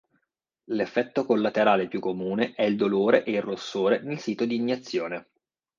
L'effetto collaterale più comune è il dolore e il rossore nel sito di iniezione.